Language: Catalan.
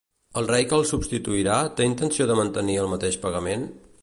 El rei que el substituirà té intenció de mantenir el mateix pagament?